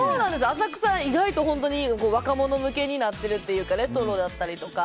浅草、意外と若者向けになってるというかレトロだったりとか。